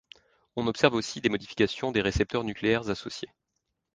On observe aussi des modifications des récepteurs nucléaires associés.